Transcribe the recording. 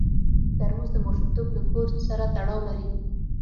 ترموز د ماشومتوب له کور سره تړاو لري.